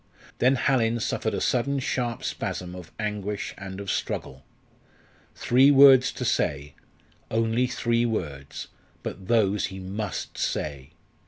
Then Hallin suffered a sudden sharp spasm of anguish and of struggle. Three words to say only three words; but those he must say!